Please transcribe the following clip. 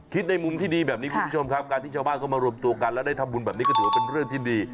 ในมุมที่ดีแบบนี้คุณผู้ชมครับการที่ชาวบ้านเข้ามารวมตัวกันแล้วได้ทำบุญแบบนี้ก็ถือว่าเป็นเรื่องที่ดี